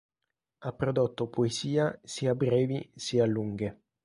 Ha prodotto poesia sia brevi sia lunghe.